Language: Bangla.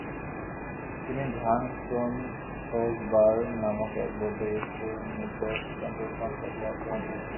তিনি ঝাং-স্তোন-ছোস-'বার নামক এক বৌদ্ধভিক্ষুর নিকট তন্ত্র সম্বন্ধে অধ্যয়ন করেন।